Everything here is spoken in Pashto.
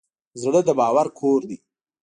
زړه د باور کور دی.